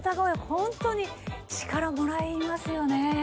本当に力もらいますよね。